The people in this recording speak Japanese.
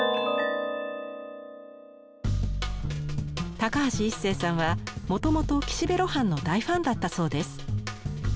高橋一生さんはもともと岸辺露伴の大ファンだったそうです。